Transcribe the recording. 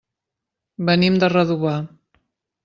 Venim de Redovà.